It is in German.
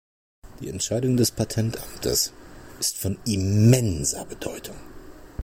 Die Entscheidung des Patentamtes ist von immenser Bedeutung.